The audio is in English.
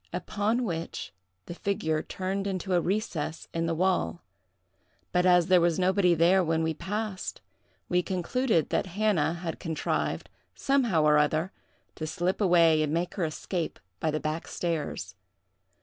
Upon which the figure turned into a recess in the wall; but, as there was nobody there when we passed, we concluded that Hannah had contrived, somehow or other, to slip away and make her escape by the back stairs.